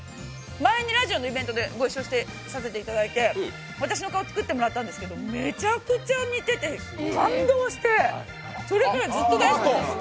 前にラジオのイベントでご一緒させていただいて私の顔を作ってもらったんですけど、めちゃくちゃ似てて感動してそれからずっと大好きなんです。